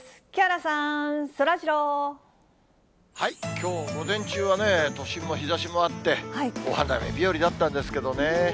きょう午前中はね、都心も日ざしもあって、お花見日和だったんですけどね。